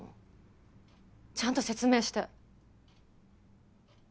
ちゃんと説明して！